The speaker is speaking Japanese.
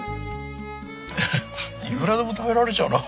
いくらでも食べられちゃうなあ